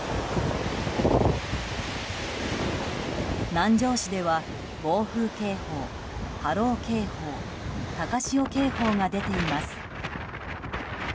南城市では暴風警報、波浪警報高潮警報が出ています。